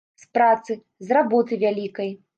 З працы, з работы вялікай.